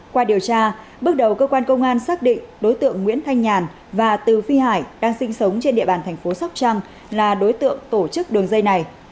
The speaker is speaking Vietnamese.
qua điều tra bước đầu cơ quan công an xác định đối tượng nguyễn thanh nhàn và từ phi hải đang sinh sống trên địa bàn thành phố sóc trăng là đối tượng tổ chức đường dây này